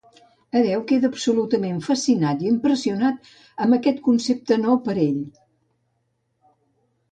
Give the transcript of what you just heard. Hereu queda absolutament fascinat i impressionat amb aquest concepte nou per a ell.